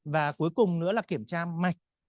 và cuối cùng nữa là kiểm tra mạch